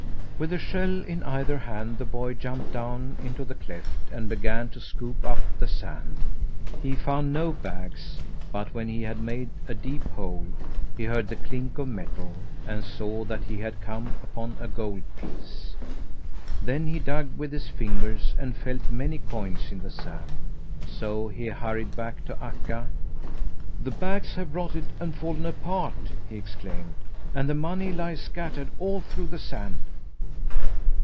With a shell in either hand the boy jumped down into the cleft and began to scoop up the sand. He found no bags, but when he had made a deep hole he heard the clink of metal and saw that he had come upon a gold piece. Then he dug with his fingers and felt many coins in the sand. So he hurried back to Akka. "The bags have rotted and fallen apart," he exclaimed, "and the money lies scattered all through the sand."